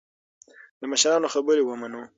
د مشرانو خبرې ومنو.